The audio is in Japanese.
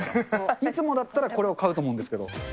いつもだったらこれを買うと思うんですけど。